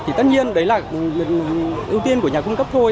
thì tất nhiên đấy là ưu tiên của nhà cung cấp thôi